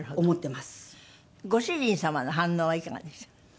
ご主人様の反応はいかがでした？